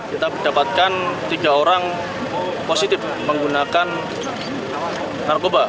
kita mendapatkan tiga orang positif menggunakan narkoba